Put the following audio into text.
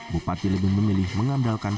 bupati lebih memilih mengandalkan